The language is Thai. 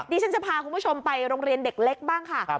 ฉันจะพาคุณผู้ชมไปโรงเรียนเด็กเล็กบ้างค่ะ